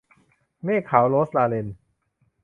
เมฆขาว - โรสลาเรน